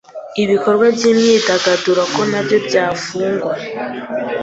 ibikorwa by’imyidagaduro ko nabyo byafungurwa